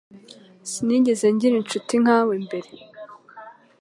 Sinigeze ngira inshuti nkawe mbere.